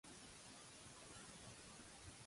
No fes el diable que.